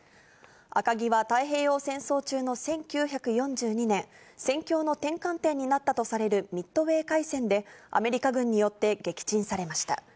赤城は太平洋戦争中の１９４２年、戦況の転換点になったとされるミッドウェー海戦で、アメリカ軍によって撃沈されました。